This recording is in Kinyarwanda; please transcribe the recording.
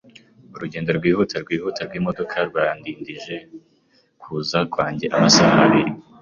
Urugendo rwihuta-rwihuta rwimodoka rwadindije kuza kwanjye amasaha abiri.